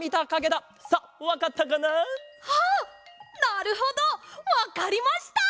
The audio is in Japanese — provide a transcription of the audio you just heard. なるほどわかりました！